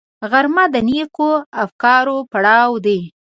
غرمه د نېکو افکارو پړاو دی